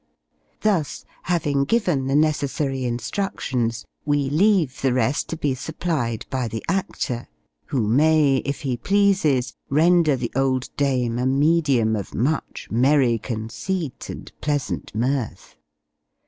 Thus, having given the necessary instructions, we leave the rest to be supplied by the actor; who may, if he pleases, render the old dame a medium of much merry conceit and pleasant mirth.